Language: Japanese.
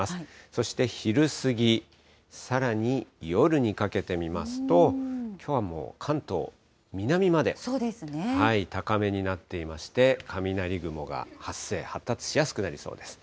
そして昼過ぎ、さらに夜にかけて見ますと、きょうはもう関東南まで高めになっていまして、雷雲が発生、発達しやすくなりそうです。